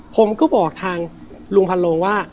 ผมก็บอกทางลุงพันโลงว่า